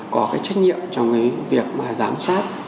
có cái tranh nhĩa trong việc giám sát